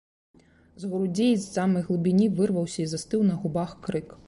З грудзей, з самай глыбіні, вырваўся і застыў на губах крык.